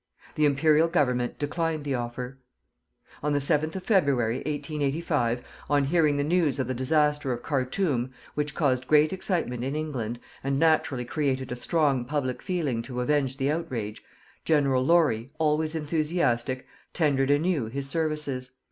The Imperial Government declined the offer. On the 7th of February, 1885, on hearing the news of the disaster of Khartoum, which caused great excitement in England, and naturally created a strong public feeling to avenge the outrage, General Laurie, always enthusiastic, tendered anew his services.